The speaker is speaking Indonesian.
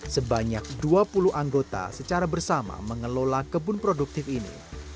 sebanyak dua puluh anggota secara bersama mengelola kebun produktif ini